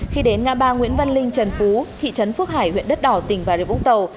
khi đến ngã ba nguyễn văn linh trần phú thị trấn phước hải huyện đất đỏ tỉnh bà rượu úc tàu